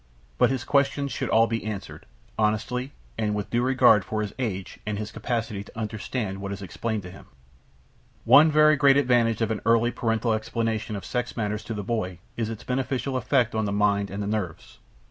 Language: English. But his questions should all be answered, honestly, and with due regard for his age and his capacity to understand what is explained to him. One very great advantage of an early paternal explanation of sex matters to the boy is its beneficial effect on the mind and the nerves.